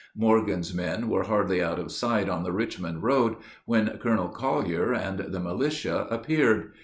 Morgan's men were hardly out of sight on the Richmond road when Colonel Collier and the militia appeared.